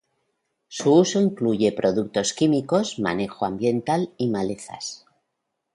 Su uso incluye productos químicos, manejo ambiental y malezas.